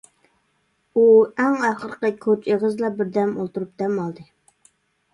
ئۇ ئەڭ ئاخىرقى كوچا ئېغىزىدىلا بىردەم ئولتۇرۇپ دەم ئالدى.